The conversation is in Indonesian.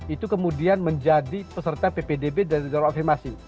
itu kemudian menjadi peserta ppdb dari jalur afirmasi